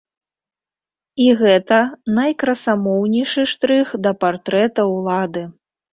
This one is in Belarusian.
І гэта найкрасамоўнейшы штрых да партрэта ўлады.